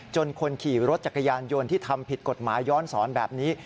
คนขี่รถจักรยานยนต์ที่ทำผิดกฎหมายย้อนสอนแบบนี้